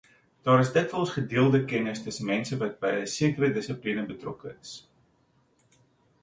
Daar is dikwels gedeelde kennis tussen mense wat by 'n sekere dissipline betrokke is.